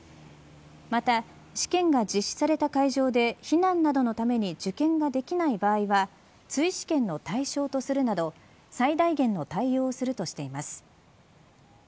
また試験が実施された会場で避難などのために受験ができない場合は追試験の対象とするなど最大限の対応をするとしています。